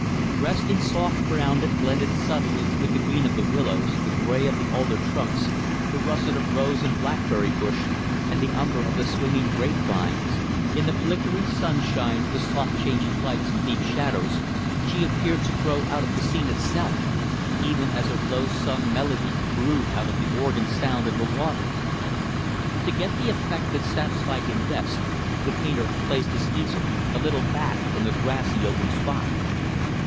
Dressed in soft brown that blended subtly with the green of the willows, the gray of the alder trunks, the russet of rose and blackberry bush, and the umber of the swinging grape vines in the flickering sunshine, the soft changing half lights, and deep shadows she appeared to grow out of the scene itself; even as her low sung melody grew out of the organ sound of the waters. To get the effect that satisfied him best, the painter had placed his easel a little back from the grassy, open spot.